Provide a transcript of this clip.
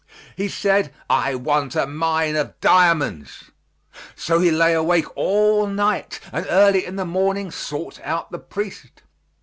He said: "I want a mine of diamonds!" So he lay awake all night, and early in the morning sought out the priest.